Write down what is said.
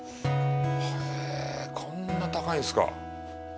へぇぇ、こんな高いんですか！